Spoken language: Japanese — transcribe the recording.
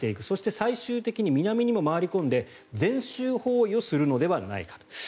そして最終的に南にも回り込んで全周包囲するのではないかと。